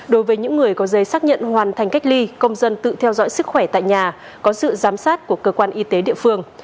đối với những người có giấy xác nhận hoàn thành cách ly công dân tự theo dõi sức khỏe tại nhà có sự giám sát của cơ quan y tế địa phương